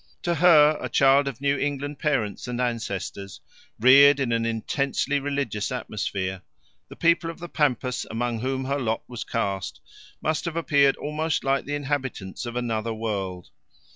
To her, a child of New England parents and ancestors, reared in an intensely religious atmosphere, the people of the pampas among whom her lot was cast must have appeared almost like the inhabitants of another world.